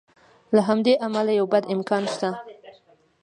له همدې امله یو بد امکان شته.